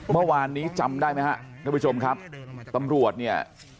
เมื่อวานนี้จำได้ไหมฮะท่านผู้ชมครับตำรวจเนี่ย